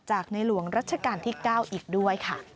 ในหลวงรัชกาลที่๙อีกด้วยค่ะ